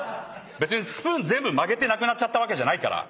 別にスプーン全部曲げてなくなったわけじゃないから。